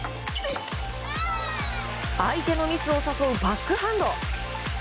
相手のミスを誘うバックハンド！